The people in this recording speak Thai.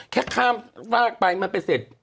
แค่ข้ามฝากไปมันไปเสร็จ